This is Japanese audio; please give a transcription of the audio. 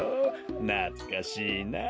なつかしいなあ。